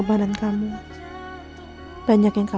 baik baik ya bu